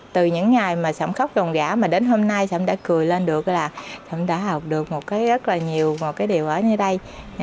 từ những ngày mà sảm khóc rồng rã mà đến hôm nay sảm đã cười lên được là sảm đã học được một cái rất là nhiều một cái điều ở như đây